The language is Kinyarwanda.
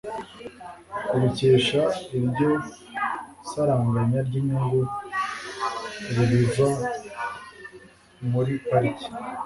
ubikesha iryo saranganya ry'inyungu z'ibiva muri pariki.